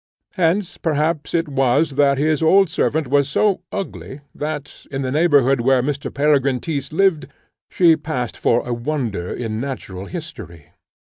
Hence, perhaps, it was that his old servant was so ugly, that, in the neighbourhood where Mr. Peregrine Tyss lived, she passed for a wonder in natural history.